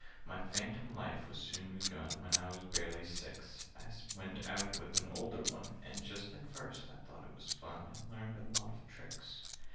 "My phantom life was soon begun: When I was barely six, I went out with an older one— And just at first I thought it fun, And learned a lot of tricks.